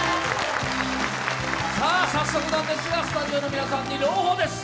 早速なんですが、スタジオの皆さんに朗報です。